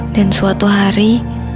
dan suatu hari